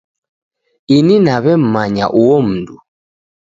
Ini naw'emmanya uho mundu.